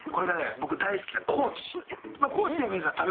僕大好きな高知。